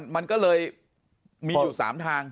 มันก็เลยมีอยู่๓ทาง